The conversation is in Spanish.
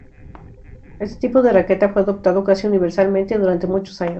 Este tipo de raqueta fue adoptado casi universalmente durante muchos años.